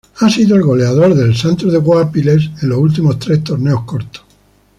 Ha sido el goleador del Santos de Guápiles en los últimos tres torneos cortos.